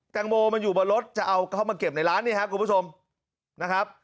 แตงโมมันอยู่บนรถจะเอาเข้ามาเก็บในร้านนี่ครับคุณผู้ชมนะครับ